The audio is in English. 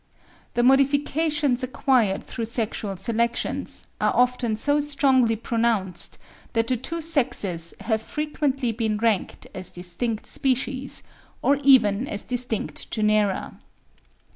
The modifications acquired through sexual selection are often so strongly pronounced that the two sexes have frequently been ranked as distinct species, or even as distinct genera.